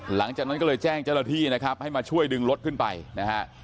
หลังจากนั้นก็เลยแจ้งเจ้าหน้าที่นะครับให้มาช่วยดึงรถขึ้นไปนะฮะ